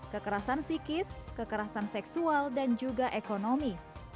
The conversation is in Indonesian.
kekerasan psikis kekerasan seksual dan juga ekonomi